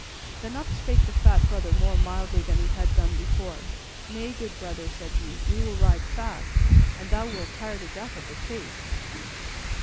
Then up spake the fat Brother more mildly than he had done before. "Nay, good brother," said he, "we will ride fast, and thou wilt tire to death at the pace."